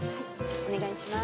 お願いします。